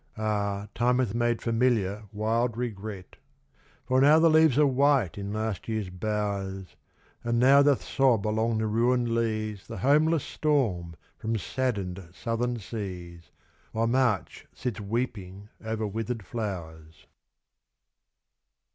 Ah! time hath made familiar wild regret; For now the leaves are white in last year's bowers, And now doth sob along the ruined leas The homeless storm from saddened southern seas, While March sits weeping over withered flowers.